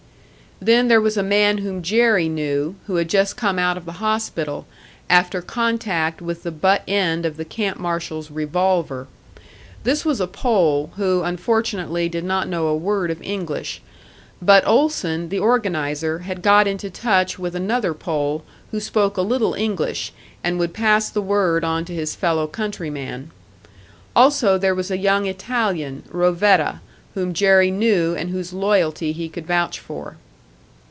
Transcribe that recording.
Then there was a man whom Jerry knew, who had just come out of the hospital, after contact with the butt end of the camp marshal's revolver. This was a Pole, who unfortunately did not know a word of English; but Olson, the organiser, had got into touch with another Pole, who spoke a little English, and would pass the word on to his fellow countryman. Also there was a young Italian, Rovetta, whom Jerry knew and whose loyalty he could vouch for.